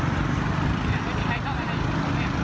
แล้วก็กลับมาแล้วก็กลับมา